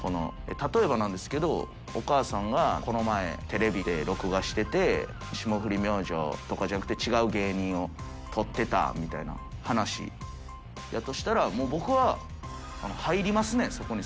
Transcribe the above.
例えばなんですけど、お母さんがこの前テレビで録画してて、霜降り明星とかじゃなくて、違う芸人をとってたみたいな話やとしたら、もう僕は入りますね、そこに。